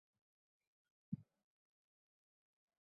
আমাকে মরতে দেবেন না, স্যার।